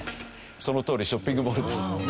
そのとおりショッピングモールです。